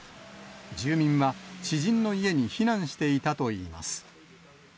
住民は、知人の家に避難していたといいます。